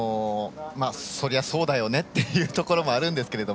そりゃそうだよねっていうところもあるんですけど。